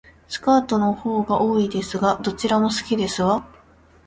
スカートの方が多いですが、どちらも好きですわ